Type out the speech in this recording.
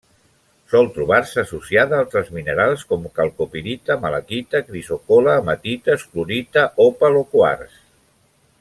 Sol trobar-se associada a altres minerals com: calcopirita, malaquita, crisocol·la, hematites, clorita, òpal o quars.